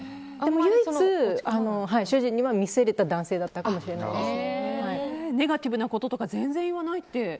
唯一、主人には見せれた男性だったかもネガティブなこととか全然言わないって。